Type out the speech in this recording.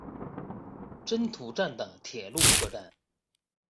真土站的铁路车站。